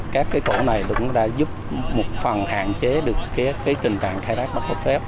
các tổ này đã giúp một phần hạn chế được trình trạng khai thác bắt có phép